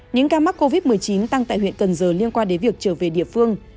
những ca mắc covid một mươi chín tăng tại huyện cần giờ liên quan đến việc trở về địa phương